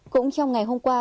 cũng trong ngày hôm qua